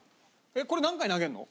これ何回投げるの？